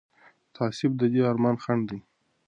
تعصب د دې ارمان خنډ دی